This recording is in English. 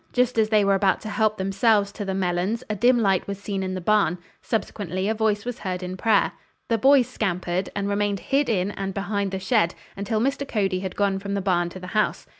Just as they were about to help themselves to the melons a dim light was seen in the barn. Subsequently a voice was heard in prayer. The boys scampered and remained hid in and behind the shed, until Mr. Cody had gone from the barn to the house.